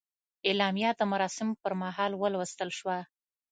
اعلامیه د مراسمو پر مهال ولوستل شوه.